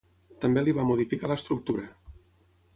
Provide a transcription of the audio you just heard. També li va modificar l'estructura.